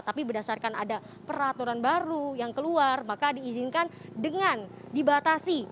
tapi berdasarkan ada peraturan baru yang keluar maka diizinkan dengan dibatasi